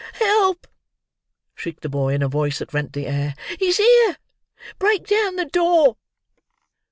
"Help!" shrieked the boy in a voice that rent the air. "He's here! Break down the door!"